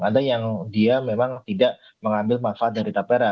ada yang dia memang tidak mengambil manfaat dari tapera